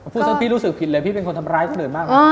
พูดซะพี่รู้สึกผิดเลยพี่เป็นคนทำร้ายคนอื่นบ้าง